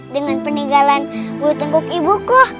dengan peninggalan bulu tengkuk ibuku